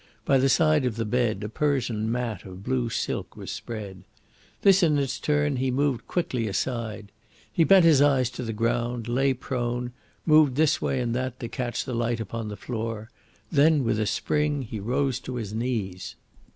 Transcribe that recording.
By the side of the bed a Persian mat of blue silk was spread. This in its turn he moved quickly aside. He bent his eyes to the ground, lay prone, moved this way and that to catch the light upon the floor, then with a spring he rose upon his knees.